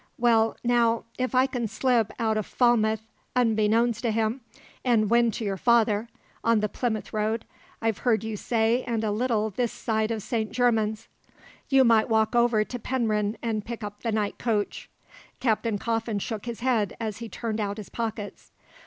Well, now, if I can slip out o' Falmouth unbeknowns to him, an' win to your father on the Plymouth road, I've heard you say and a little this side of St. Germans " "You might walk over to Penryn and pick up the night coach." Captain Coffin shook his head as he turned out his pockets.